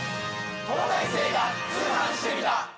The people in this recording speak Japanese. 『東大生が通販してみた！！』。